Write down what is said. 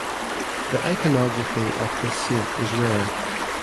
The iconography of this saint is rare.